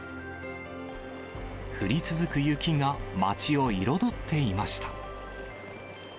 降り続く雪が、街を彩っていました。